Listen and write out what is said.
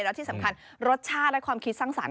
แล้วที่สำคัญรสชาติและความคิดสร้างสรรค